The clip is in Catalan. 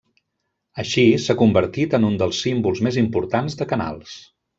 Així, s'ha convertit en un dels símbols més importants de Canals.